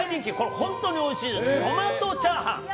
本当においしいですトマトチャーハン！